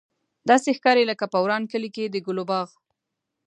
داسې ښکاري لکه په وران کلي کې د ګلو باغ.